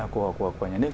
của nhà nước